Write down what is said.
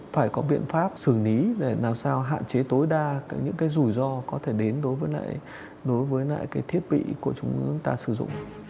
phải có biện pháp xử lý để làm sao hạn chế tối đa những cái rủi ro có thể đến đối với lại đối với lại cái thiết bị của chúng ta sử dụng